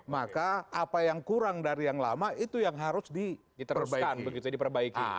maka apa yang kurang dari yang lama itu yang harus diperbaikan begitu diperbaiki